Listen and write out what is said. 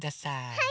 はい！